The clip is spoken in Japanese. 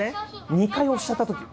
２回押しちゃったとき。